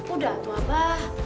udah tuh abah